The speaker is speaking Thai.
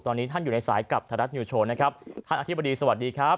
ตอนนี้ท่านอยู่ในสายกับไทยรัฐนิวโชว์นะครับท่านอธิบดีสวัสดีครับ